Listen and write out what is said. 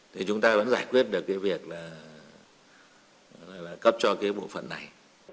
thì chúng ta vẫn giải quyết được cái việc là cấp cho cái bộ phận này